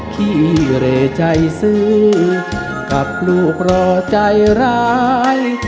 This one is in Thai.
ขี้เร่ใจซื้อกับลูกรอใจร้าย